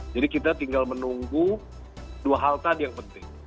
jadi kita tinggal menunggu dua hal tadi yang penting